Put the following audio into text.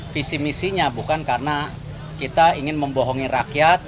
visi misinya bukan karena kita ingin membohongi rakyat